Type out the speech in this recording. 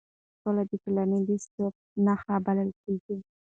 سوله د ټولنې د ثبات نښه بلل کېږي